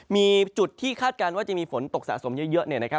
มีจุดที่คาดการณ์ว่าจะมีฝนตกสะสมเยอะ